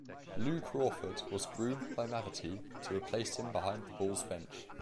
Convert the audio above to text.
Lou Crawford was groomed by Mavety to replace him behind the Bulls' bench.